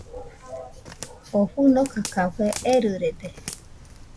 Oo fɨnoka café erɨrede